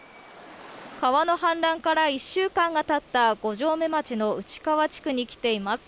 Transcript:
川の氾濫から１週間がたった五城目町の内川地区に来ています。